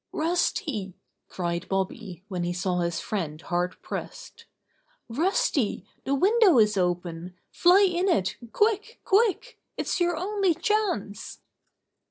^^Rusty!" cried Bobby when he saw his friend hard pressed. "Rusty, the window is open! Fly in it! Quick! Quick! It's your only chance!"